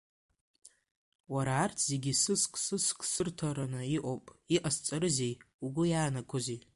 Уара арҭ зегьы сыск-сыск сырҭараны иҟоуп, иҟасҵарызеи, угәы иаанагозеи?